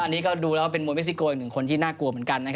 อันนี้ดูแล้วเป็นมัวเมกซิโกนในคนที่น่ากลัวเหมือนกัน